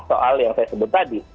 soal yang saya sebut tadi